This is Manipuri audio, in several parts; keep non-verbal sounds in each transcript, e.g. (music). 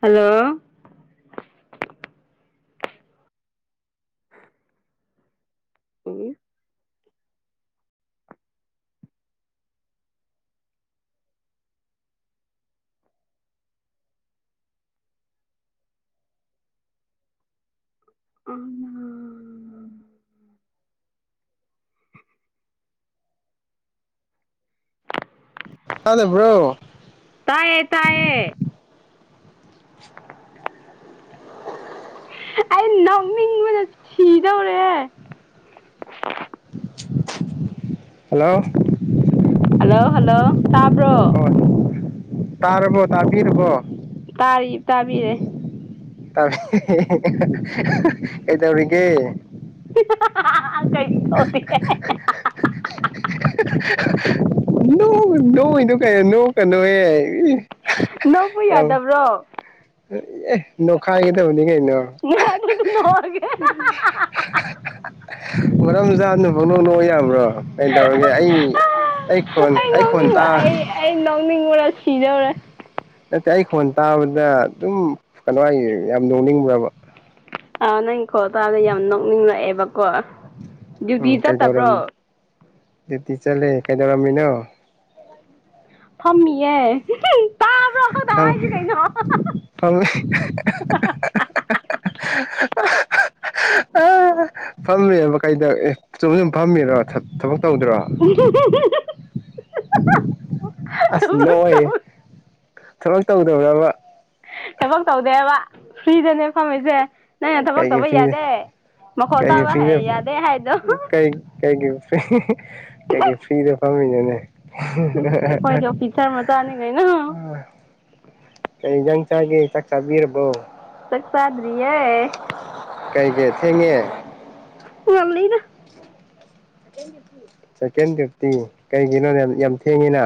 ꯍꯜꯂꯣ ꯎꯝ ꯇꯥꯗꯕ꯭ꯔꯣ ꯇꯥꯏꯌꯦ ꯇꯥꯏꯌꯦ ꯑꯩ ꯅꯧꯅꯤꯡꯕꯅ ꯁꯤꯗꯧꯔꯦ ꯍꯜꯂꯣ ꯍꯜꯂꯣ ꯍꯜꯂꯣ ꯇꯥꯕ꯭ꯔꯣ ꯍ ꯇꯥꯔꯔꯕꯣ ꯇꯥꯕꯤꯔꯔꯕꯣ ꯇꯥꯔꯤ ꯇꯥꯕꯤꯔꯦ ꯀꯩꯗꯧꯔꯤꯒ‌ꯦ (unintelligible) ꯅꯣꯡ ꯅꯣꯏꯗꯨ ꯀꯩꯅꯣ ꯅꯣꯀꯅꯨꯍꯦ ꯅꯣꯛꯄ ꯌꯥꯗꯕ꯭ꯔꯣ ꯑꯦ ꯅꯈꯥꯏꯒꯗꯕꯅꯤ ꯀꯩꯅꯣ ꯉꯥꯏꯍꯛꯇꯁꯨ ꯅꯣꯛ ꯑꯒꯦ (unintelligible) ꯃꯔꯝ ꯆꯥꯗꯅꯥ ꯄꯪꯅꯣꯛ ꯅꯣꯛ ꯌꯥꯕ꯭ꯔꯣ ꯀꯩꯗꯧꯔꯒꯦ ꯑꯩ ꯑꯩ ꯈꯣꯟ ꯑꯩ ꯈꯣꯟ ꯅꯣꯛꯅꯤꯡꯕ ꯇꯥ ꯑꯩ ꯑꯩ ꯅꯣꯛꯅꯤꯡꯕꯅꯥ ꯁꯤꯗꯧꯔꯦ ꯅꯠꯇꯦ ꯑꯩ ꯈꯣꯟ ꯇꯥꯕꯗ ꯑꯗꯨꯝ ꯀꯩꯅꯣ ꯍꯥꯏ ꯌꯥꯝ ꯅꯣꯡꯅꯤꯡꯕ꯭ꯔꯕ ꯑꯥ ꯅꯪ ꯈꯣꯟ ꯇꯥꯥꯕꯥꯗ ꯌꯥꯝ ꯅꯣꯛꯅꯤꯡꯂꯛꯑꯦꯕꯀꯣ ꯗ꯭ꯌꯨꯇꯤ ꯎꯝ ꯀꯩꯗꯧꯔꯝ ꯆꯠꯇꯕ꯭ꯔꯣ ꯗꯨꯏꯇꯤ ꯆꯠꯂꯦ ꯀꯩꯗꯧꯔꯝꯃꯤꯅꯣ ꯐꯝꯃꯤꯑꯦ ꯐꯝ ꯐꯝ (unintelligible) ꯐꯝꯃꯦꯕ ꯀꯩꯗ ꯑꯦ ꯁꯨꯝ ꯁꯨꯝ ꯐꯝꯃꯤꯔꯣ ꯊꯕꯛ ꯇꯧꯗ꯭ꯔꯣ (unintelligible) ꯑꯁ ꯊꯕꯛ ꯅꯣꯛꯏ ꯇꯧ ꯊꯕꯛ ꯇꯧꯗꯕ꯭ꯔꯕ ꯊꯕꯛ ꯇꯧꯗꯦꯕ ꯐ꯭ꯔꯤꯗꯅꯦ ꯐꯝꯃꯤꯁꯦ ꯅꯪ ꯅ ꯊꯕꯛ ꯀꯩꯒꯤ ꯇꯧꯕ ꯐ꯭ꯔꯤꯗ ꯌꯥꯗꯦ ꯃꯈꯣꯜ ꯀꯩꯒꯤ ꯇꯥꯕ ꯐ꯭ꯔꯤꯗ ꯌꯥꯗꯦ ꯍꯥꯏꯗꯣ ꯀꯩ ꯀꯩꯀꯩ ꯐ꯭ꯔꯤ ꯐ꯭ꯔꯤ ꯐꯝꯃꯤꯅꯣ ꯅꯦ ꯑꯩꯈꯣꯏꯗꯤ ꯑꯣꯐꯤꯁꯥꯔ ꯃꯆꯥꯅꯤ ꯀꯩꯅꯣ ꯎ (unintelligible) ꯀꯖꯪ ꯆꯥꯒꯦ ꯆꯥꯛ ꯆꯕꯤꯔꯕꯣ ꯆꯛ ꯆꯗ꯭ꯔꯤꯌꯦ ꯀꯩꯀꯦ ꯊꯦꯡꯉꯦ ꯉꯟꯂꯤꯗ ꯁꯀꯦꯟ ꯗꯇꯤ ꯀꯩꯒꯤꯅꯣ ꯌꯥꯝ ꯌꯥꯝ ꯊꯦꯡꯉꯤꯅ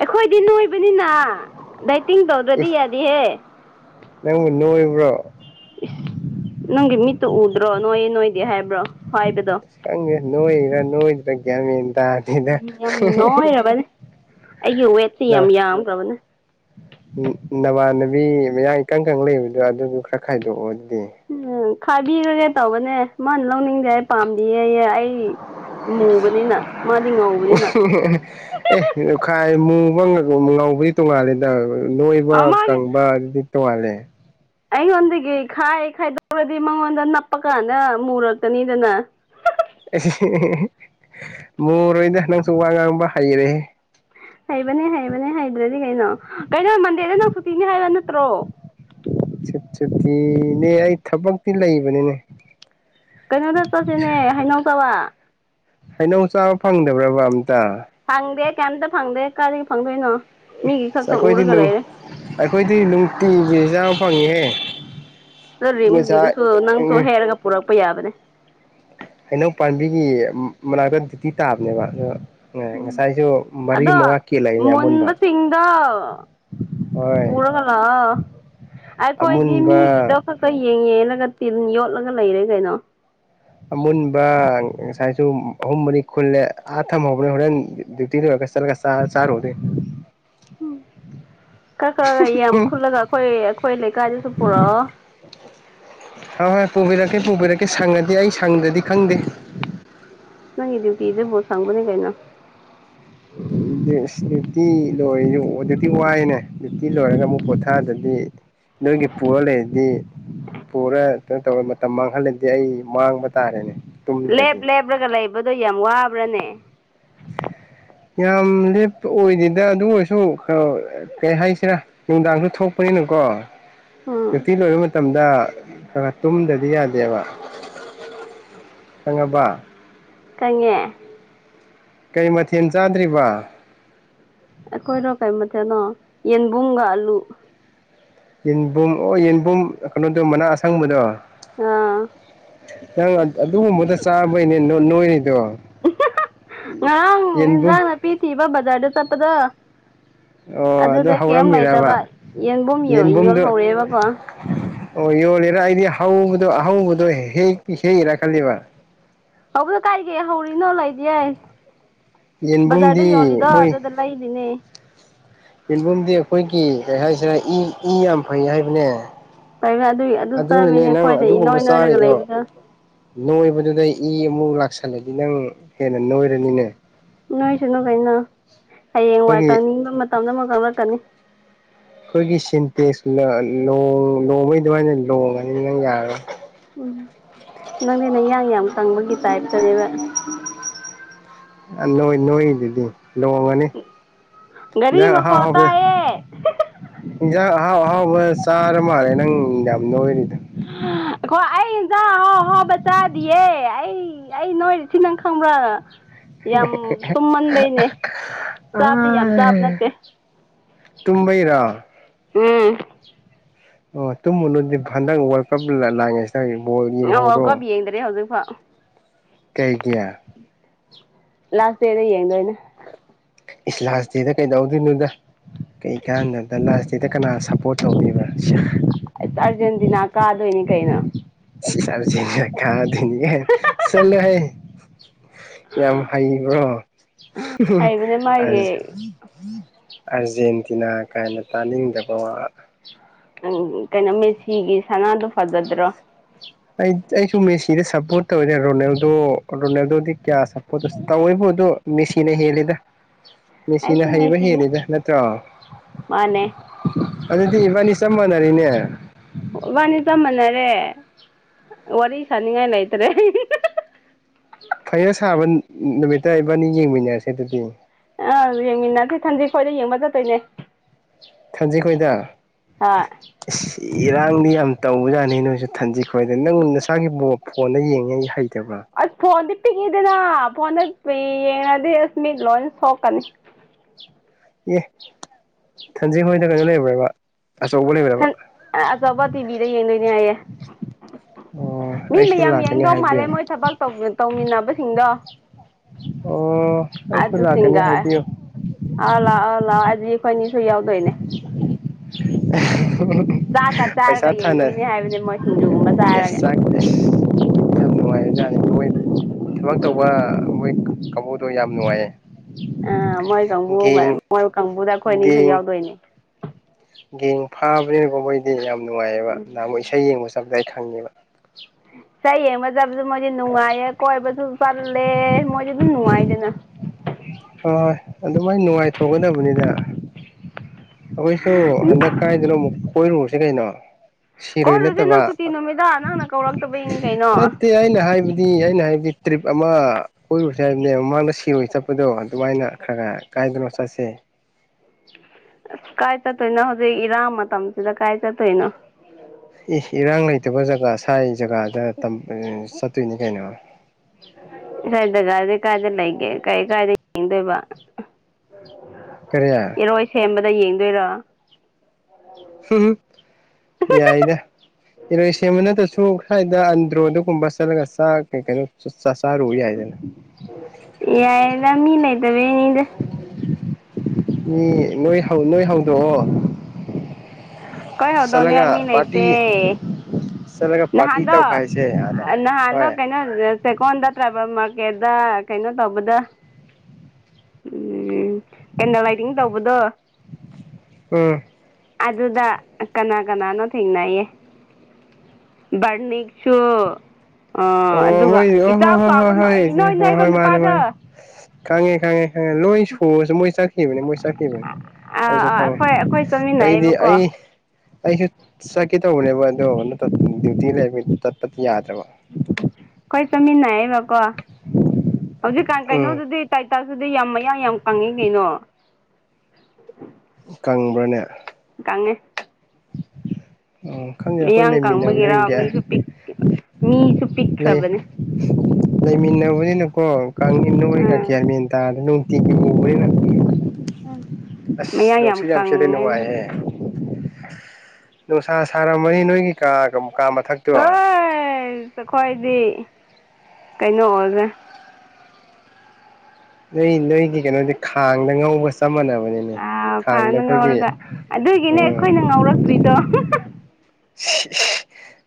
ꯑꯩꯈꯣꯏꯗꯤ ꯅꯣꯏꯕꯅꯤꯅ ꯗꯥꯏꯇꯤꯡ ꯇꯧꯗ꯭ꯔꯗꯤ ꯏꯁ ꯌꯥꯗꯤꯍꯦ ꯅꯪꯕꯨ ꯅꯣꯏꯕ꯭ꯔꯣ ꯏꯁ ꯅꯪꯒꯤ ꯃꯤꯠꯇꯨ ꯎꯗ꯭ꯔꯣ ꯅꯣꯏꯌꯦ ꯅꯣꯏꯗꯤ ꯍꯥꯏꯕ꯭ꯔꯣ ꯍꯥꯏꯕꯗꯣ ꯈꯪꯗꯦ ꯅꯣꯏ꯭ꯔꯤꯔꯥ ꯅꯣꯏꯗ꯭ꯔ ꯒꯌ꯭ꯥꯟ ꯃꯦꯟ ꯇꯥꯗꯦ ꯎꯝ ꯌꯥꯝ ꯅꯣꯏꯔꯕꯅꯦ ꯑꯩꯒꯤ ꯋꯦꯠꯁꯤ ꯌꯥꯝ ꯌꯥꯝꯈ꯭ꯔꯕꯅꯦ ꯅꯕꯥꯅꯕꯤ ꯃꯌꯥ ꯏꯀꯪ ꯈꯪ ꯂꯩꯕꯗꯣ ꯑꯗꯨꯗꯨ ꯈꯔ ꯈꯥꯏꯗꯣꯛꯑꯣꯗꯤ ꯎꯝ ꯈꯥꯏꯕꯤꯈ꯭ꯔꯒꯦ ꯇꯧꯕꯅꯦ ꯃꯥꯅ ꯂꯧꯅꯤꯡꯗꯦ ꯄꯥꯝꯗꯦꯌꯦꯌꯦ ꯑꯩ ꯃꯨꯕꯅꯤꯅ ꯃꯥꯗꯤ ꯉꯧ (unintelligible) ꯑꯦ ꯇꯈꯥꯏ ꯃꯨꯕ ꯉꯧꯕꯗꯤ ꯇꯣꯡꯉꯥꯜꯂꯦꯗ ꯅꯣꯏꯕ ꯃꯥꯒꯤ ꯀꯪꯕ ꯑꯗꯨꯗꯤ ꯇꯣꯉꯥꯜꯂꯦ ꯑꯩꯉꯣꯟꯗꯒꯤ ꯈꯥꯏ ꯈꯥꯏꯗꯣꯛꯔꯗꯤ ꯃꯉꯣꯟꯗ ꯅꯞꯄꯀꯥꯟꯗ ꯃꯨꯔꯛꯀꯅꯤꯗꯅ ꯃꯨꯔꯣꯏꯗ ꯅꯪꯁꯨ ꯋꯥ ꯉꯥꯡꯕ ꯍꯩꯔꯦ ꯍꯩꯕꯅꯦ ꯍꯩꯕꯅꯦ ꯍꯩꯗ꯭ꯔꯗꯤ ꯀꯩꯅꯣ ꯀꯩꯅꯣ ꯃꯟꯗꯦꯗ ꯅꯪ ꯁꯨꯇꯤꯅꯦ ꯍꯥꯏꯕ ꯅꯠꯇ꯭ꯔꯣ ꯁꯨꯠ ꯁꯨꯇꯤꯅꯦ ꯑꯩ ꯊꯕꯛꯇꯤ ꯂꯩꯕꯅꯤꯅꯦ ꯀꯩꯅꯣꯗ ꯆꯠꯁꯤꯅꯦ ꯍꯩꯅꯧ ꯆꯕ ꯍꯩꯅꯧ ꯆꯥꯕ ꯐꯪꯗꯕ꯭ꯔꯕ ꯑꯝꯇ ꯐꯪꯗꯦ ꯀꯩꯝꯇ ꯐꯪꯗꯦ ꯀꯔꯤꯗꯒꯤ ꯐꯪꯗꯣꯏꯅꯣ ꯃꯤꯒꯤ ꯑꯁ ꯈꯛꯇ ꯑꯩꯈꯣꯏꯗꯤ ꯎꯔꯒ ꯂꯩꯔꯦ ꯑꯩꯈꯣꯏꯗꯤ ꯅꯨꯡꯇꯤꯒꯤ ꯆꯥ ꯐꯪꯉꯤꯍꯦ ꯅꯣꯏ ꯉꯁꯥꯏ ꯔꯤꯝꯁꯒꯤꯗꯨꯁꯨ ꯅꯪꯁꯨ ꯍꯩꯛꯔꯒ ꯄꯨꯔꯛꯄ ꯌꯥꯕꯅꯦ ꯍꯩꯅꯧ ꯄꯥꯝꯕꯤꯒꯤ ꯃꯅꯥꯛꯇ ꯗꯨꯏꯇꯤ ꯇꯥꯕꯅꯦꯕ ꯑꯗꯣ ꯎꯝ ꯉꯁꯥꯏꯁꯨ ꯃꯔꯤ ꯑꯗꯣ ꯃꯉꯥ ꯀꯦꯜꯂꯛꯏꯅꯦ ꯑꯃꯨꯟꯕ ꯃꯨꯟꯕꯁꯤꯡꯗꯣ ꯍꯣꯏ ꯋꯥꯑ ꯑꯩꯈꯣꯏꯗꯤ ꯑꯃꯨꯟꯕ ꯃꯤꯒꯤꯗꯣ ꯈꯛ ꯈꯣꯏ ꯌꯦꯡ ꯌꯦꯜꯂꯒ ꯇꯤꯟ ꯌꯣꯠꯂꯒ ꯂꯩꯔꯦ ꯀꯩꯅꯣ ꯑꯃꯨꯟꯕ ꯉꯁꯥꯏꯁꯨ ꯑꯍꯨꯝ ꯃꯔꯤ ꯈꯨꯜꯂꯦ ꯑꯥ ꯊꯝꯍꯧꯔꯦ ꯍꯣꯔꯦꯟ ꯗ꯭ꯌꯨꯇꯤ ꯂꯔꯒ ꯆꯠꯂꯒ ꯆ ꯇ ꯆꯥꯔꯣꯗꯤ ꯎꯝ ꯈꯔ ꯈꯔ ꯌꯥꯝ ꯈꯨꯜꯂꯒ ꯑꯩꯈꯣꯏ ꯑꯩꯈꯣꯏ ꯂꯩꯀꯥꯏꯗꯁꯨ ꯄꯨꯔꯛꯑꯣ ꯍꯣꯏ ꯍꯣꯏ ꯄꯨꯕꯤꯔꯛꯀꯦ ꯄꯨꯕꯤꯔꯛꯀꯦ ꯁꯪꯉꯗꯤ ꯑꯩ ꯁꯪꯗ꯭ꯔꯗꯤ ꯈꯪꯗꯦ ꯅꯪꯒꯤ ꯗ꯭ꯌꯨꯇꯤꯗꯨꯕꯨ ꯁꯡꯕꯅꯤ ꯀꯩꯅꯣ (inaudible) ꯏꯁ ꯗ꯭ꯌꯨꯇꯤ ꯂꯣꯏꯖꯨ ꯗ꯭ꯌꯨꯇꯤ ꯋꯥꯏꯅꯦ ꯗ꯭ꯌꯨꯇꯤ ꯂꯣꯏꯔꯒ ꯑꯃꯨꯛ ꯄꯣꯊꯥꯗꯗꯤ ꯅꯪꯒꯤ ꯄꯨꯋꯥ ꯂꯩꯔꯗꯤ ꯄꯨꯔ ꯀꯩꯅꯣ ꯇꯧꯔ ꯃꯇꯝ ꯃꯥꯡꯍꯜꯂꯗꯤ ꯑꯩ ꯃꯥꯡꯕ ꯇꯥꯔꯦꯅꯦ ꯇꯨꯝꯗ꯭ꯔꯗꯤ ꯂꯦꯞ ꯂꯦꯞꯂꯒ ꯂꯩꯕꯗꯣ ꯌꯥꯝ ꯋꯥꯕ꯭ꯔꯅꯦ ꯌꯥꯝ ꯂꯦꯞꯄ ꯑꯣꯏꯗꯦꯗ ꯑꯗꯨ ꯑꯣꯏꯔꯁꯨ ꯀꯩ ꯍꯥꯏꯁꯤꯔꯥ ꯅꯨꯡꯗꯥꯡꯁꯨ ꯊꯣꯛꯄꯅꯤꯅꯀꯣ ꯎꯝ ꯗ꯭ꯌꯨꯇꯤ ꯂꯣꯏꯕ ꯃꯠ ꯇꯝꯗ ꯈꯔ ꯈꯔ ꯇꯨꯝꯗ꯭ꯔꯗꯤ ꯌꯥꯗꯦꯕ ꯈꯪꯉꯕ ꯈꯪꯉꯦ ꯀꯩ ꯃꯊꯦꯟ ꯆꯥꯗ꯭ꯔꯤꯕꯣ ꯑꯩꯈꯣꯏꯔꯣ ꯀꯔꯤ ꯃꯊꯣꯟꯅꯣ ꯌꯦꯟꯕꯨꯝꯒ ꯑꯂꯨ ꯌꯦꯟꯕꯨꯝ ꯑꯣ ꯌꯦꯟꯕꯨꯝ ꯀꯩꯅꯣꯗꯣ ꯃꯅꯥ ꯑꯁꯡꯕꯗꯣ ꯑꯥ ꯅꯪ ꯑ ꯑꯗꯨꯒꯨꯝꯕꯗ ꯆꯥꯕꯩꯅꯦ ꯅꯣꯏ ꯅꯣꯏꯔꯤꯗꯣ ꯉꯔꯥꯡ ꯌꯦꯟꯕꯨꯝ ꯍꯤꯟꯖꯥꯡ ꯅꯥꯄꯤ ꯊꯤꯕ ꯕꯖꯥꯔꯗ ꯆꯠꯄꯗꯣ ꯑꯣ ꯑꯗꯨ ꯑꯗꯨꯗ ꯀꯩꯝ ꯂꯩꯇꯕ ꯍꯧꯔꯝꯃꯤꯔꯕ ꯌꯦꯡꯕꯨꯝ ꯌꯣ ꯌꯦꯟꯕꯨꯝꯗꯣ ꯌꯣꯜꯍꯧꯔꯦꯕꯀꯣ ꯑꯣ ꯌꯣꯜꯂꯤꯔ ꯑꯩꯗꯤ ꯍꯧꯕꯗꯣ ꯑꯍꯧꯕꯗꯣ ꯍꯦꯛ ꯍꯦꯛꯏꯔꯥ ꯈꯜꯂꯤꯕ ꯍꯧꯕꯗꯣ ꯀꯥꯏꯗꯒꯤ ꯍꯧꯔꯤꯅꯣ ꯂꯩꯗꯤꯌꯦ ꯕꯖꯥꯔꯗ ꯌꯦꯟꯕꯨꯝꯗꯤ ꯌꯣꯜꯂꯤꯗꯣ ꯑꯩꯈꯣꯏ ꯑꯗꯨꯗ ꯂꯩꯔꯤꯅꯦ ꯌꯦꯟꯕꯨꯝꯗꯤ ꯑꯩꯈꯣꯏꯒꯤ ꯀꯩ ꯍꯥꯏꯁꯤꯔ ꯏ ꯏ ꯌꯥꯝ ꯐꯩ ꯍꯥꯏꯕꯅꯦ ꯂꯩꯔ ꯑꯗꯨꯏ ꯑꯗꯨ ꯑꯗꯨꯅꯅꯦ ꯆꯥꯕꯤꯅꯦ ꯅꯪ ꯑꯩꯈꯣꯏꯗ ꯑꯗꯨꯒꯨꯝꯕ ꯏꯅꯣꯏ ꯅꯣꯏꯔꯒ ꯆꯥꯔꯤꯗꯣ ꯂꯩꯕꯗꯣ ꯅꯣꯏꯕꯗꯨꯗ ꯏ ꯑꯃꯨꯛ ꯂꯥꯛꯁꯜꯂꯗꯤ ꯅꯪ ꯍꯦꯟꯅ ꯅꯣꯏꯔꯅꯤꯅꯦ ꯅꯣꯏꯁꯅꯨ ꯀꯩꯅꯣ ꯍꯌꯦꯡꯋꯥꯏ ꯑꯩꯈꯣꯏꯒꯤ ꯀꯪꯅꯤꯡꯕ ꯃꯇꯝꯗ ꯑꯃꯨꯛ ꯀꯪꯂꯛꯀꯅꯤ ꯑꯩꯈꯣꯏꯒꯤ ꯁꯤꯟꯇꯦꯛꯁ ꯂ ꯂꯣꯡꯕꯩ ꯑꯗꯨꯃꯥꯏꯅ ꯂꯣꯡꯉꯅꯤ ꯅꯪ ꯌꯥꯔꯔꯣꯏ ꯎꯝ ꯅꯪꯗꯤ ꯅꯌꯥꯡ ꯌꯥꯝ ꯀꯪꯕꯒꯤ ꯇꯥꯏꯞꯇꯅꯦꯕ ꯅꯣꯏ ꯅꯣꯏꯔꯤꯗꯨꯗꯤ ꯂꯣꯡꯉꯅꯤ ꯒꯥꯔꯤ ꯏꯟꯖꯥꯡ ꯑꯍꯥꯎ ꯃꯈꯣꯜ ꯑꯍꯥꯎꯕ ꯇꯥꯏꯌꯦ ꯏꯟꯖꯥꯡ ꯑꯍꯥꯎ ꯑꯍꯥꯎꯕ ꯆꯥꯔ ꯃꯥꯜꯂꯦ ꯅꯪ ꯌꯥꯝꯅ ꯅꯣꯏꯔꯤꯗꯨ (unintelligible) ꯑꯩꯈꯣꯏ ꯑꯩ ꯏꯟꯖꯥꯡ ꯑꯍꯥꯎ ꯑꯍꯥꯎꯕ ꯆꯥꯗꯤꯌꯦ ꯑꯩ ꯑꯩ ꯅꯣꯏꯔꯤꯁꯤ ꯅꯪ ꯈꯪꯕ꯭ꯔꯥ (inaudible) ꯌꯥꯝ ꯇꯨꯝꯃꯟꯕꯩꯅꯦ ꯆꯥꯕꯗꯤ ꯌꯥꯝ ꯆꯥꯕ ꯅꯠꯇꯦ ꯇꯨꯝꯕꯩꯔꯥ ꯎꯝ ꯑꯣ ꯇꯨꯝꯃꯨꯅꯨꯗꯤ ꯍꯟꯗꯛ ꯋꯥꯔꯜ ꯀꯞ ꯂꯥ ꯂꯥꯛꯢꯉꯩꯁꯤꯗ ꯕꯣꯜ ꯋꯥꯔꯜ ꯌꯦꯡꯍꯧꯔꯣ ꯀꯞ ꯌꯦꯡꯗ꯭ꯔꯦ ꯍꯧꯖꯤꯛꯐꯥꯎ ꯀꯩ ꯒꯤ ꯂꯥꯁ ꯗꯦꯗ ꯌꯦꯡꯗꯣꯏꯅꯦ ꯏꯁ ꯂꯥꯁ ꯗꯦꯗ ꯀꯩꯗꯧꯗꯣꯏꯅꯣꯗ ꯀꯔꯤ ꯀꯥꯟꯗꯕꯗ ꯂꯥꯁꯇꯤꯗ ꯀꯅꯥ ꯁꯥꯄꯣꯇ ꯇꯧꯅꯤꯕ ꯁꯥ ꯑꯥꯏꯁ ꯑꯥꯔꯖꯦꯟꯇꯤꯅꯥ ꯀꯥꯗꯣꯏꯅꯤ ꯀꯩꯅꯣ (unintelligible) ꯆꯂꯣ ꯍꯦ ꯌꯥꯝ ꯍꯩꯕ꯭ꯔꯣ ꯍꯩꯕꯅꯦ (unintelligible) ꯃꯥꯒꯤ ꯑꯁ ꯑꯥꯔꯖꯦꯟꯇꯤꯅꯥ ꯀꯥꯏꯅ ꯇꯥꯅꯤꯡꯗꯕ ꯋꯥ ꯅꯥꯪ ꯀꯩꯅꯣ ꯃꯦꯁꯤꯒꯤ ꯁꯅꯥꯗꯣ ꯐꯖꯗ꯭ꯔꯣ ꯑꯩ ꯑꯩꯁꯨ ꯃꯦꯁꯤꯗ ꯁꯞꯄꯣꯔꯠ ꯇꯧꯋꯦꯅꯦ ꯔꯣꯅꯦꯜꯗꯣ ꯔꯣꯅꯦꯜꯗꯣꯗꯤ ꯀꯌꯥ ꯁꯠ (unintelligible) ꯇꯧꯋꯦꯕꯨ ꯑꯗꯨ ꯃꯦꯁꯤꯅ ꯍꯦꯜꯂꯤꯗ (inaudible) ꯃꯦꯁꯤꯅ ꯍꯩꯕ ꯃꯦꯁꯤꯅꯦ ꯍꯦꯜꯂꯤꯗ ꯅꯠꯇ꯭ꯔꯣ ꯃꯥꯅꯦ ꯑꯗꯨꯗꯤ ꯏꯕꯥꯅꯤ ꯆꯝꯃꯅꯔꯤꯅꯦ ꯏꯕꯅꯤ ꯆꯞꯃꯥꯅꯔꯦ ꯋꯥꯔꯤ ꯁꯅꯤꯡꯉꯥꯏ ꯂꯩꯇ꯭ꯔꯦ ꯐꯩꯅ ꯁꯥꯕ ꯅꯨ ꯅꯨꯃꯤꯠꯇ ꯏꯕꯥꯅꯤ ꯌꯦꯡꯃꯤꯟꯅꯔꯁꯦ ꯑꯗꯨꯗꯤ ꯑꯥ ꯌꯦꯡꯃꯤꯟꯅꯁꯤ ꯊꯟꯗꯤ ꯈꯣꯏꯗ ꯌꯦꯡꯕ ꯆꯠꯇꯣꯏꯅꯦ ꯊꯟꯖꯤ ꯈꯣꯏꯗ ꯍꯣꯏ ꯏꯁ ꯏꯔꯥꯡꯗꯤ ꯌꯥꯝ ꯇꯧꯕꯖꯥꯅꯤ ꯅꯣꯏꯁꯨ ꯊꯟꯖꯤ ꯈꯣꯏꯗ ꯅꯪ ꯅꯁꯥꯒꯤ ꯕꯣꯞ ꯐꯣꯟꯗ ꯌꯦꯡ ꯉꯩ ꯍꯩꯇꯕ꯭ꯔꯥ ꯑꯁ ꯐꯣꯟꯗꯤ ꯄꯤꯛꯏꯗꯅ ꯐꯣꯟꯗ ꯌꯦꯡꯉꯗꯤ ꯑꯁ ꯃꯤꯠ ꯂꯣꯏ ꯁꯣꯛꯀꯅꯤ ꯑꯦ ꯊꯟꯖꯤꯡ ꯍꯣꯏꯗ ꯀꯩꯅꯣ ꯂꯩꯕ꯭ꯔꯥꯕ ꯇꯟ ꯑꯆꯧꯕ ꯇꯤꯚꯤꯗ ꯌꯦꯡꯗꯣꯏꯅꯦ ꯍꯥꯏꯌꯦ ꯑꯣ ꯃꯤ ꯑꯩꯁꯨ ꯃꯌꯥꯝ ꯂꯥꯛꯀꯅꯤ ꯌꯦꯡꯗꯧ ꯃꯥꯜꯂꯦ ꯍꯥꯏꯕꯤꯌꯨ ꯃꯣꯏ ꯊꯕꯛ ꯇꯧꯃꯤ ꯇꯧꯃꯤꯟꯅꯕꯁꯤꯡꯗꯣ ꯑꯣ ꯑꯩꯁꯨ ꯂꯥꯛꯀꯅꯤ ꯑꯗꯨꯁꯤꯡꯒ ꯍꯥꯏꯕꯤꯌꯨ ꯑꯥ ꯂꯥꯛꯑꯣ ꯂꯥꯛꯑꯣ ꯍꯥꯏꯗꯤ ꯑꯩꯈꯣꯏꯅꯤꯁꯨ ꯌꯥꯎꯗꯣꯏꯅꯦ (unintelligible) ꯆꯥꯛꯀ ꯆꯥꯔꯒ ꯄꯩꯁꯥ ꯊꯥꯅ ꯌꯦꯡꯗꯣꯏꯅꯦ ꯍꯥꯏꯕꯅꯦ ꯃꯣꯏ ꯁꯤꯡꯖꯨꯒꯨꯝꯕ ꯑꯦꯁ ꯆꯥꯔꯒ ꯆꯥꯛ ꯑꯦꯁ ꯌꯥꯝ ꯅꯨꯡꯉꯥꯏꯕꯖꯥꯠꯅꯤ ꯃꯣꯏ ꯊꯕꯛ ꯇꯧꯕ ꯃꯣꯏ ꯀꯥꯡꯃꯨꯗꯣ ꯌꯥꯝ ꯅꯨꯡꯉꯥꯏꯌꯦ ꯑ ꯃꯣꯏ ꯀꯥꯡꯕꯨ ꯒꯦꯡ ꯃꯣꯏ ꯀꯥꯡꯕꯨꯗ ꯑꯩꯈꯣꯏ ꯑꯅꯤꯁꯨ ꯒꯦꯡ ꯌꯥꯎꯗꯣꯏꯅꯤ ꯒꯦꯡ ꯐꯥꯕꯅꯤꯅꯀꯣ ꯃꯣꯏꯗꯤ ꯌꯥꯝ ꯅꯨꯡꯉꯥꯏꯑꯕ ꯎꯝ ꯅꯍꯥꯟꯃꯣꯛ ꯏꯁꯩ ꯌꯦꯡꯕ ꯆꯞꯄꯗ ꯑꯩ ꯈꯪꯉꯦꯕ ꯏꯁꯩ ꯌꯦꯡꯕ ꯆꯠꯄꯁꯨ ꯃꯣꯏꯗꯤ ꯅꯨꯡꯉꯥꯏꯌꯦ ꯀꯣꯏꯕꯁꯨ ꯆꯜꯂꯦ ꯃꯣꯏꯗꯤ ꯑꯗꯨꯝ ꯅꯨꯡꯉꯥꯏꯗꯅ ꯍꯣꯏ ꯑꯗꯨꯃꯥꯏꯅ ꯅꯨꯡꯉꯥꯏꯊꯣꯛꯀꯗꯕꯅꯤꯗ ꯑꯩꯈꯣꯏꯁꯨ ꯎꯝ ꯍꯟꯗꯛ ꯀꯥꯏꯗꯅꯣ ꯑꯃꯨꯛ ꯀꯣꯏꯔꯨꯔꯁꯤ ꯀꯩꯅꯣ ꯁꯤꯔꯣꯏ ꯀꯣꯏꯔꯨꯁꯦ ꯅꯠꯇꯕ ꯅꯪ ꯁꯨꯇꯤ ꯅꯨꯃꯤꯠꯗ ꯅꯪꯅ ꯀꯧꯔꯛꯇꯕꯩꯅꯤ ꯀꯩꯅꯣ ꯑꯁ ꯅꯠꯇꯦ ꯑꯩꯅ ꯍꯥꯏꯕꯟ ꯗꯤ ꯑꯩꯅ ꯍꯥꯏꯕꯗꯤ ꯇ꯭ꯔꯤꯞ ꯑꯃ ꯀꯣꯏꯔꯨꯁꯦ ꯍꯥꯏꯕꯅꯦ ꯃꯥꯡꯗ ꯁꯤꯔꯨꯏ ꯆꯠꯄꯗꯣ ꯑꯗꯨꯃꯥꯏꯅ ꯈꯔ ꯈꯔ ꯀꯥꯏꯗꯅꯣ ꯆꯠꯁꯦ ꯑꯁ ꯀꯥꯏ ꯆꯠꯇꯣꯏꯅꯣ ꯍꯧꯖꯤꯛ ꯏꯔꯥꯡ ꯃꯇꯝꯁꯤꯗ ꯀꯥꯏ ꯆꯠꯇꯣꯏꯅꯣ ꯏꯁ ꯏꯔꯥꯡ ꯂꯩꯇꯕ ꯖꯒꯥ ꯁ꯭ꯋꯥꯥꯏ ꯖꯒꯥꯗ ꯇꯝ ꯆꯠꯇꯣꯏꯅꯤ ꯀꯩꯅꯣ ꯅꯣꯏ ꯗꯖꯥꯔꯗꯤ ꯀꯥꯏꯗ ꯂꯩꯒꯦ ꯀꯔꯤ ꯀꯥꯏꯗ ꯌꯦꯡꯗꯣꯏꯕ ꯀꯔꯤ ꯏꯔꯣꯏ ꯁꯦꯝꯕꯗ ꯌꯦꯡꯗꯣꯏꯔꯣ ꯍꯨꯝ ꯍꯨꯝ ꯌꯥꯏꯗ ꯏꯔꯣꯏ ꯁꯦꯝꯕ ꯅꯠꯇ꯭ꯔꯁꯨ ꯁꯨ ꯁ꯭ꯋꯥꯏꯗ ꯑꯟꯗ꯭ꯔꯣꯗꯒꯨꯝꯕ ꯆꯠꯂꯒ ꯆꯥꯛ ꯀꯩ ꯀꯩꯅꯣ ꯆꯥ ꯆꯥꯔꯨꯕꯥ ꯌꯥꯏꯗꯅ ꯌꯥꯏꯌꯦꯗ ꯃꯤ ꯂꯩꯇꯕꯩꯅꯤꯗ ꯃꯤ ꯅꯣꯏ ꯍꯧ ꯅꯣꯏ ꯍꯧꯗꯣꯛꯑꯣ ꯆꯠꯂꯒ ꯀꯩꯍꯧꯗꯧꯅꯤꯉꯥꯏ ꯃꯤ ꯄꯥꯔꯇꯤ ꯂꯩꯇꯦ ꯆꯠꯂꯒ ꯄꯥꯔꯇꯤ ꯅꯍꯥꯟꯗꯣ ꯇꯧꯈꯥꯏꯁꯦ ꯑꯥꯗ ꯑꯥ ꯅꯍꯥꯟꯗ ꯍꯣꯏ ꯀꯩꯅꯣ ꯆꯦꯛꯀꯣꯟꯗ ꯇ꯭ꯔꯥꯏꯕꯦꯜ ꯃꯥꯔꯀꯦꯠꯗ ꯀꯩꯅꯣ ꯇꯧꯕꯗ ꯎꯝ ꯑꯦꯟꯅꯥꯂꯥꯏꯇꯤꯡ ꯇꯧꯕꯗꯣ ꯑꯥ ꯑꯗꯨꯗ ꯀꯅꯥ ꯀꯅꯥꯅꯣ ꯊꯦꯡꯅꯩꯌꯦ ꯕꯔꯅꯤꯛ ꯁꯨ ꯑꯣ ꯑꯗꯨꯒ ꯃꯣꯏ ꯑꯣ ꯏꯆꯥꯎ ꯆꯥꯎꯕ ꯅꯣ ꯍꯣꯏ ꯍꯣꯏ ꯍꯣꯏ ꯍꯣꯏ ꯏꯆꯦ ꯏꯅꯣꯏ ꯍꯣꯏ ꯅꯣꯏꯕ ꯍꯣꯏ ꯃꯥꯅꯦ ꯃꯥꯅꯦ ꯅꯨꯄꯥꯗ‌ꯣ ꯈꯪꯉꯦ ꯈꯪꯉꯦ ꯈꯪꯉꯦ ꯂꯣꯏ ꯁꯨꯔꯁꯨ ꯃꯣꯏ ꯆꯠꯈꯤꯕꯅꯦ ꯃꯣꯏ ꯆꯠꯈꯤꯕꯟ ꯑꯥ ꯑꯩꯁꯨ ꯑꯥ ꯈꯪꯉꯦ ꯑꯩꯈꯣꯏ ꯑꯩꯈꯣꯏ ꯑꯩꯗꯤ ꯆꯠꯃꯤꯟꯅꯩꯌꯦꯕꯀꯣ ꯑꯩ ꯑꯩꯁꯨ ꯆꯠꯀꯦ ꯇꯧꯕꯅꯦꯕ ꯑꯗꯣ ꯀꯩꯅ‌ꯣꯇꯧ ꯗ꯭ꯌꯨꯇꯤ ꯂꯩꯕꯩ ꯆꯠꯄꯠ ꯌꯥꯗ꯭ꯔꯕ ꯈꯣꯏ ꯆꯠꯃꯤꯟꯅꯩꯌ‌ꯦꯕꯀꯣ ꯍꯧꯖꯤꯛꯀꯥꯟ ꯎꯝ ꯀꯩꯅꯣꯗꯨꯗꯤ ꯇꯥꯏꯇꯥꯁꯗꯨꯗꯤ ꯌꯥꯝ ꯃꯌꯥꯡ ꯌꯥꯝ ꯀꯪꯉ‌ꯦ ꯀꯩꯅꯣ ꯀꯪꯕ꯭ꯔꯥꯅꯦ ꯀꯪꯉꯦ (unintelligible) ꯑꯣ ꯃꯌꯥꯡ ꯀꯪꯕꯒꯤꯔꯥ ꯃꯤꯁꯨ ꯄꯤꯛ ꯃꯤꯁꯨ ꯂꯩ ꯄꯤꯛꯈ꯭ꯔꯕꯟ ꯂꯩꯃꯤꯟꯅꯕꯅꯤꯅꯀꯣ ꯀꯪꯉꯤ ꯅꯣꯏꯔ ꯎꯝ ꯒ꯭ꯌꯥꯟ ꯃꯦꯟ ꯇꯥꯗ‌ꯦ ꯅꯨꯡ (unintelligible) ꯑꯁ ꯃꯌꯥꯡ ꯅꯨꯡꯁꯤꯠ ꯌꯥꯝ ꯁꯤꯠꯂ‌ꯦ ꯀꯪꯉꯦ ꯅꯨꯡꯉꯥꯏꯌ‌ꯦ ꯅꯨꯡꯁꯥ ꯁꯥꯔꯝꯃꯅꯤ ꯅꯣꯏꯒꯤ ꯀꯥ ꯀꯥ ꯃꯊꯛꯇꯣ ꯆꯈꯣꯏꯗꯤ ꯀꯩꯅꯣ ꯑꯣꯏꯕꯅ‌ꯦ ꯅꯣꯏ ꯅꯣꯏꯒꯤ ꯀꯩꯅꯣꯗꯤ ꯈꯥꯡꯗ ꯉꯧꯕ ꯆꯞ ꯃꯥꯟꯅꯕ ꯕꯅꯤꯅꯦ ꯑꯥ ꯈꯥꯡꯗ ꯑꯩꯈꯣꯏꯒꯤ ꯉꯧꯔꯒ ꯑꯗꯨꯒꯤꯅꯦ ꯑꯣ ꯑꯩꯈꯣꯏꯅ ꯉꯧꯔꯛꯇ꯭ꯔꯤꯗꯣ ꯏꯁ ꯏꯁ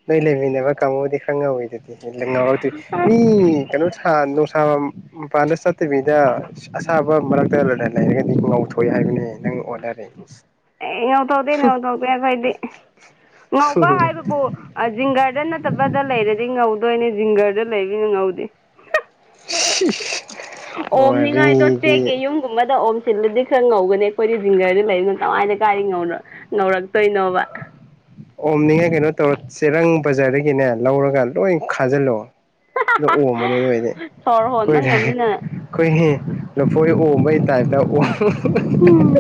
ꯅꯣꯏ ꯂꯩꯃꯤꯟꯅꯕ ꯀꯥꯡꯕꯨꯗꯤ ꯈꯪꯉꯧꯋꯤꯗꯨꯗꯤ ꯂ ꯉꯧꯔꯛꯇꯣꯏ ꯔꯤ ꯀꯩꯅꯣ ꯁꯥ ꯅꯨꯡꯁꯥ ꯃ ꯃꯄꯥꯟꯗ ꯆꯠꯇꯕꯤꯗ ꯑ ꯑꯁꯥꯕ ꯃꯔꯛ ꯇ ꯂꯩ ꯂꯩꯔꯒꯗꯤ ꯉꯧꯊꯣꯑꯦ ꯍꯥꯏꯕꯅꯦ ꯅꯪ ꯑꯣꯟꯅꯔ‌ꯦ ꯑꯦ ꯉꯧꯊ‌ꯣꯗꯦ ꯉꯧꯊ‌ꯣꯗꯦ ꯑꯩꯈ‌ꯣꯏꯗꯤ ꯉꯧꯕ ꯍꯥꯏꯕꯕꯨ ꯑꯥ ꯖꯤꯡꯒꯗ ꯅꯠꯇꯕꯗ ꯂꯩꯔꯗꯤ ꯉꯧ ꯗ‌ꯣꯏꯅꯦ ꯖꯤꯡꯒꯔꯗ ꯂꯩꯕꯅꯤꯅ ꯉꯧꯗꯦ (inaudible) ꯑꯣꯝꯅꯤꯉꯥꯏꯗꯣ ꯋꯥꯔꯤꯗꯤ ꯆꯦꯛꯀꯤ ꯌꯨꯝ ꯀꯨꯝꯕꯗ ꯑꯣꯝ ꯁꯤꯜꯂꯨꯗꯤ ꯈꯔ ꯉꯧꯒꯅꯤ ꯑꯩꯈꯣꯏꯗꯤ ꯖꯤꯡꯒꯔꯗ ꯂꯩꯕꯅ ꯀꯃꯥꯏꯅ ꯀꯥꯏꯗꯩ ꯉꯧꯔ‌ꯣ ꯉꯧꯔꯛꯇꯣꯏꯅꯣꯕ ꯑꯣꯝꯅꯤꯉꯥꯏ ꯀꯩꯅꯣ ꯇꯧꯔꯣ ꯆꯦꯔꯪ ꯕꯖꯥꯔꯗꯒꯤꯅꯦ ꯂꯧꯔꯒ ꯂꯣꯏ ꯈꯥꯖꯤꯜꯂ‌ꯣ ꯗꯨ ꯑꯣꯝꯃ‌ꯣꯅ‌ꯦ ꯑꯗꯨ ꯑꯣꯏꯗꯤ ꯁꯣꯔ ꯍꯣꯟꯕ ꯈ‌ꯣꯏ ꯉꯝꯗꯅ (unintelligible) ꯈꯣꯏꯒꯤ ꯂꯐꯣꯏ ꯑꯣꯝꯕꯩ ꯇꯥꯏꯞꯇ ꯑꯣꯝ ꯎꯝ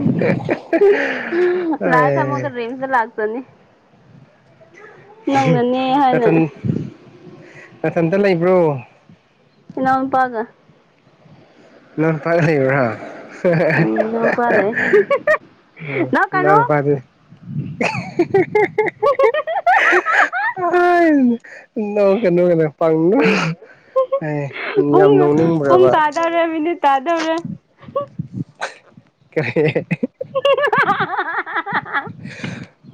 ꯂꯥꯁꯇ ꯑꯥꯏ (unintelligible) ꯂꯥꯛꯆꯅꯤ ꯅꯪꯅꯅꯦ ꯍꯥꯏꯅ ꯅꯥꯊꯟ ꯅꯊꯟꯇ ꯂꯩꯕ꯭ꯔꯣ ꯏꯅꯥꯎꯅꯨꯄꯥꯒ ꯅꯪ ꯀꯥꯏ ꯂꯩꯕ꯭ꯔꯥ ꯎꯝ ꯏꯅꯥꯎꯄꯥ ꯂꯩ ꯑꯣ ꯅꯣꯛꯀꯅꯨ ꯅꯅꯥꯎꯄꯥꯗꯤ (unintelligible) (unintelligible) (unintelligible) ꯅ‌ꯣꯛꯀꯅꯨ ꯀꯩꯅꯣ ꯄꯪꯅ‌ꯣꯛ ꯑꯥꯏ ꯌꯥꯝ ꯅꯣꯛꯅꯤꯡꯕ꯭ꯔꯕ ꯇꯥꯗꯥꯔ‌ꯦ ꯃꯤꯅꯤꯠ ꯇꯥꯗꯧꯔꯦ (inaudible) (unintelligible) (unintelligible)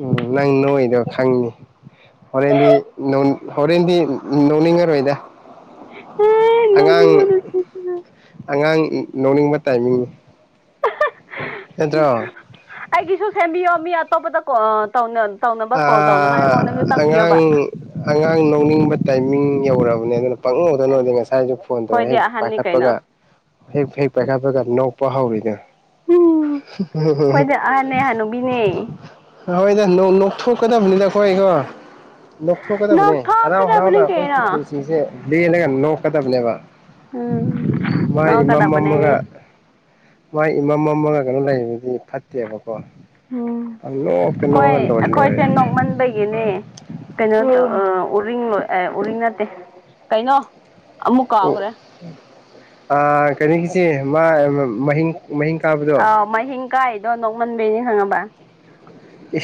ꯎꯝ ꯅꯪ ꯅꯣꯏꯗꯣ ꯈꯪꯅꯤ ꯍꯣꯔꯦꯟꯗꯤ ꯍꯣꯔꯦꯟꯗꯤ ꯅꯣꯛꯅꯤꯡꯉꯔꯣꯏꯗ (unintelligible) ꯑꯉꯥꯡ ꯁꯤꯁꯤꯅ ꯑꯉꯥꯡ ꯅꯣꯛꯅꯤꯡꯕ ꯇꯥꯏꯃꯤꯡꯅꯤ ꯅꯠꯇꯔꯣ ꯑꯩꯒꯤꯁꯨ ꯁꯦꯝꯕꯤꯌꯣ ꯃꯤ ꯑꯇꯣꯞꯄꯗ ꯇꯧꯅꯕ ꯀꯣꯜ ꯇꯧꯅꯕ ꯑꯩꯉꯣꯟꯗꯁꯨ ꯑꯥ ꯇꯥꯛꯄꯤꯌꯣꯕ ꯑꯉꯥꯡ ꯑꯉꯥꯡ ꯂꯧꯅꯤꯡꯕ ꯇꯥꯏꯃꯤꯡ ꯌꯧꯔꯕꯅꯦ ꯑꯗꯨꯅ (unintelligible) ꯉꯁꯥꯏꯁꯨ ꯐꯣꯟ ꯇꯧꯔꯒ ꯑꯩꯈꯣꯏꯗꯤ ꯍꯦꯛ ꯑꯍꯟꯅꯤ ꯄꯥꯏꯈꯠꯄꯒ ꯀꯩꯅꯣ ꯍꯦꯛ ꯍꯦꯛ ꯄꯥꯏꯈꯠꯄꯒ ꯅꯣꯛꯄ ꯍꯧꯔꯤꯗꯣ ꯎꯝ ꯑꯩꯈꯣꯏꯗꯤ ꯑꯍꯟꯅꯦ ꯍꯅꯨꯕꯤꯅꯦ (unintelligible) ꯍꯣꯏꯗ ꯅꯣꯛꯊꯣꯛꯀꯗꯕꯅꯤꯅ ꯑꯩꯈꯣꯏ ꯑꯩꯀꯣ ꯊꯣꯛꯀꯗꯕꯅꯦ ꯍꯔꯥꯎ ꯍꯔꯥꯎꯅ ꯅꯣꯛꯊꯣꯛꯀꯗꯕꯅꯤ ꯑꯩꯈꯣꯏꯒꯤ ꯀꯩꯅꯣ ꯄꯨꯟꯁꯤꯁꯦ ꯂꯦꯜꯂꯒ ꯅꯣꯛꯀꯗꯕꯅꯦꯕ ꯎꯝ ꯃꯥꯏ ꯏꯃꯝ ꯃꯝ ꯃꯒꯥ ꯅꯣꯛꯀꯗꯕꯅꯦ ꯃꯥꯏ ꯏꯃꯝ ꯃꯝꯃꯒ ꯀꯩꯅꯣ ꯂꯩꯕꯗꯤ ꯐꯠꯇꯦꯕꯀꯣ ꯎꯝ ꯄꯡ ꯅꯣꯛꯇ ꯑꯩꯈꯣꯏ ꯅꯣꯛꯑꯒ ꯂꯣꯏꯔꯦ ꯑꯩꯈꯣꯏꯁꯦ ꯅꯣꯛꯃꯟꯕꯒꯤꯅꯦ ꯀꯩꯅꯣꯁꯨ ꯎꯔꯤꯡ (unintelligible) ꯑꯦ ꯎꯔꯤꯡ ꯅꯠꯇꯦ ꯀꯩꯅꯣ ꯑꯃꯨꯛ ꯀꯥꯎꯈ꯭ꯔꯦ ꯑ ꯀꯩꯅꯣꯒꯤꯁꯤ ꯃꯥ ꯃꯍꯤꯡ ꯃꯍꯤꯡ ꯀꯥꯕꯗꯣ ꯑꯥꯎ ꯃꯍꯤꯡ ꯀꯥꯏꯗꯣ ꯅꯣꯛꯃꯟꯕꯤꯒꯤꯅꯤ ꯈꯪꯉꯕ ꯏꯁ